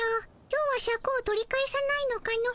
今日はシャクを取り返さないのかの？